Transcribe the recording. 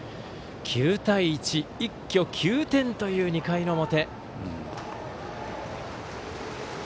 ９対１、一挙９点という２回の表。